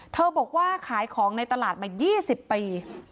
บอกว่าขายของในตลาดมา๒๐ปี